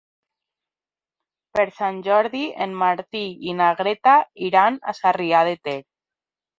Per Sant Jordi en Martí i na Greta iran a Sarrià de Ter.